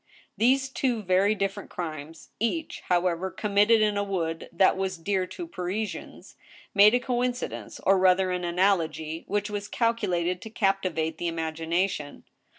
These two very different crimes— <ach. however, committed in a wood that was dear to Parisians — made a coincidence, or rather an . analogy, which was calculated to captivate the imagination.